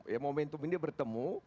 ya momentum ini bertemu